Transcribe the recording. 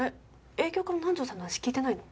営業課の南条さんの話聞いてないの？